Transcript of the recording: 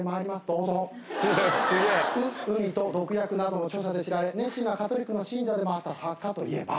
「う」「海と毒薬」などの著者で知られ熱心なカトリックの信者でもあった作家といえば。